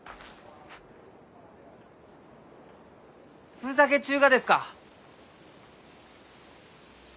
ふざけちゅうがですか？